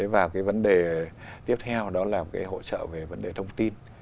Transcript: và cái vấn đề tiếp theo đó là cái hỗ trợ về vấn đề thông tin